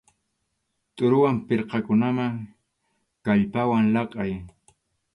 Tʼuruwan pirqakunaman kallpawan laqʼay.